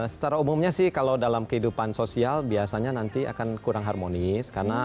secara umumnya sih kalau dalam kehidupan sosial biasanya nanti akan kurang harmonis